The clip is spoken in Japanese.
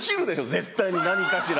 絶対に何かしら。